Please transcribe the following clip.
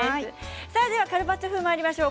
ではカルパッチョ風まいりましょう。